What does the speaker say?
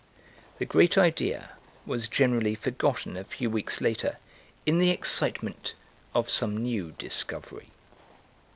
The great idea was generally forgotten a few weeks later in the excitement of some new discovery.